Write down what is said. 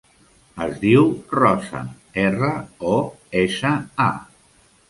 Es diu Rosa: erra, o, essa, a.